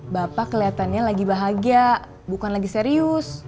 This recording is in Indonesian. bapak kelihatannya lagi bahagia bukan lagi serius